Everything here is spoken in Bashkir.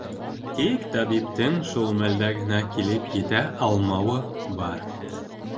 Тик табиптың шул мәлдә генә килеп етә алмауы бар.